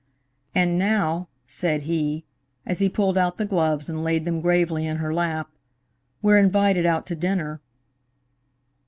"And now," said he, as he pulled out the gloves and laid them gravely in her lap, "we're invited out to dinner."